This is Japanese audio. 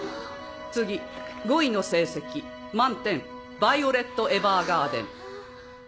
次語彙の成績満点ヴァイオレット・エヴァーガーデン。